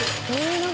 何？